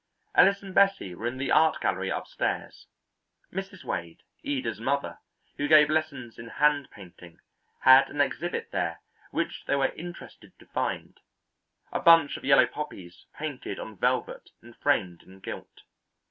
Ellis and Bessie were in the Art Gallery upstairs. Mrs. Wade, Ida's mother, who gave lessons in hand painting, had an exhibit there which they were interested to find; a bunch of yellow poppies painted on velvet and framed in gilt.